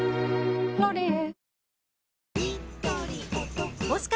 「ロリエ」